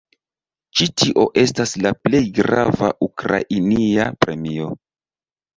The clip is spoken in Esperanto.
Ĉi tio estas la plej grava ukrainia premio.